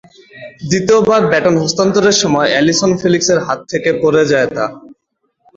দ্বিতীয়বার ব্যাটন হস্তান্তরের সময় অ্যালিসন ফেলিক্সের হাত থেকে পড়ে যায় তা।